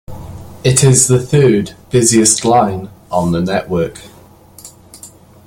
It is the third busiest line on the network.